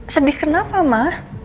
sedih kenapa ma